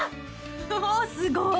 おおすごい！